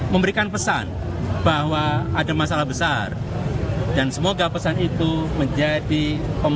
memberikan pesan bahwa ada masalah besar dan semoga pesannya itu menjadi memantik untuk mengubah kebijakan